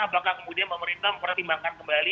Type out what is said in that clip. apakah kemudian pemerintah mempertimbangkan kembali